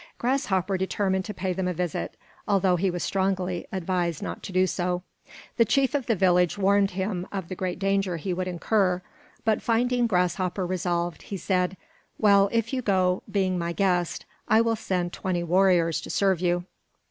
Grasshopper determined to pay them a visit, although he was strongly advised not to do so. The chief of the village warned him of the great danger he would incur, but finding Grasshopper resolved, he said: "Well, if you will go, being my guest, I will send twenty warriors to serve you."